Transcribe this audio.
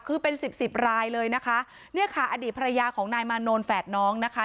คือเป็นสิบสิบรายเลยนะคะเนี่ยค่ะอดีตภรรยาของนายมานนท์แฝดน้องนะคะ